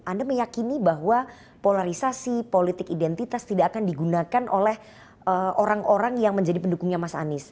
anda meyakini bahwa polarisasi politik identitas tidak akan digunakan oleh orang orang yang menjadi pendukungnya mas anies